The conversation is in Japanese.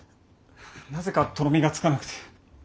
なぜかとろみがつかなくて。